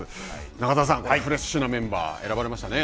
中澤さん、これフレッシュなメンバー、選ばれましたね。